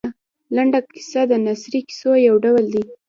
لنډه کیسه د نثري کیسو یو ډول دی.